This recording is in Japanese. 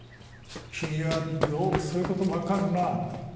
君はよくそういうことも分かるなあ。